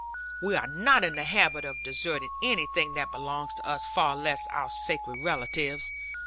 We are not in the habit of deserting anything that belongs to us; far less our sacred relatives.